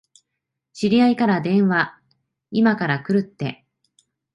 知り合いから電話、いまから来るって。